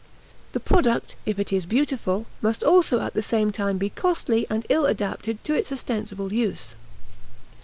The product, if it is beautiful, must also at the same time be costly and ill adapted to its ostensible use.